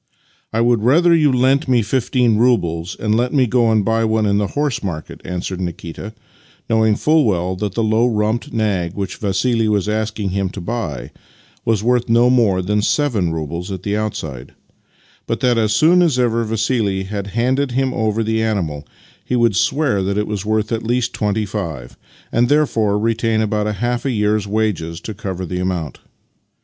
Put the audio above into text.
" I would rather you lent me fifteen roubles and let me go and buy one in the horse market," answered Nikita, knowing fuU well that the low rumped nag which Vassili was asking him to buy was worth no more than seven roubles at the outside, but that as soon as ever Vassili had handed him over the animal he v/ould swear that it was worth at least twenty five, and therefore retain about half a year's wages to cover the amount.